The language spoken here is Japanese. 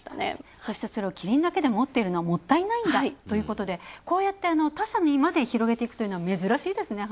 そして、それをキリンだけで持っているのはもったいないんだということで、こうやって他社にまで広げていくというのは珍しいですね。